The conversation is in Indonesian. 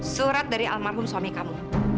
surat dari almarhum suami kamu